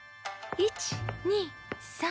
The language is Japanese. １２３。